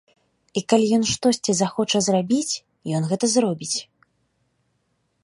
І калі ён штосьці захоча зрабіць, ён гэта зробіць.